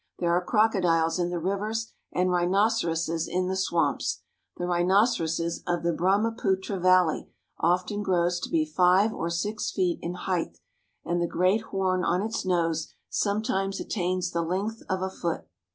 There are croco diles in the rivers and rhinoceroses in the swamps. The rhinoceros of the Brahmaputra Valley often grows to be five or six feet in height, and the great horn on its nose sometimes attains the length of a foot.